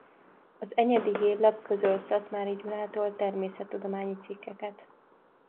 Az Enyedi Hírlap közölt Szathmáry Gyulától természettudományi cikkeket.